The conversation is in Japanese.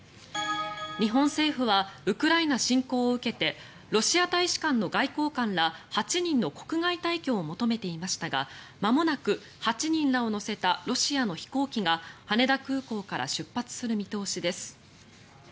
日本政府はウクライナ侵攻を受けてロシア大使館の外交官ら８人の国外退去を求めていましたがまもなく８人らを乗せたロシアの飛行機が羽田空港から出発する見通しです。